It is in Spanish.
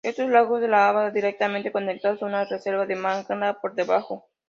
Estos lagos de lava están directamente conectados a una reserva de magma por debajo.